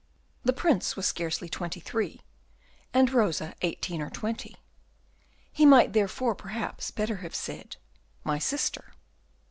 The Prince was scarcely twenty three, and Rosa eighteen or twenty. He might therefore perhaps better have said, My sister.